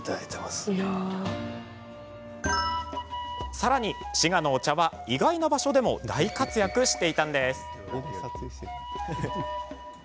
さらに、滋賀のお茶は意外な場所でも大活躍していたんです。